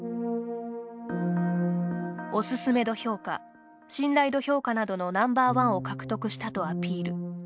おすすめ度評価信頼度評価などのＮｏ．１を獲得したとアピール。